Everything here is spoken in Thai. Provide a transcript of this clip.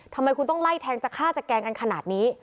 ทำไมคุณต้องไล่แทงจะฆ่าจะแกล้งกันขนาดนี้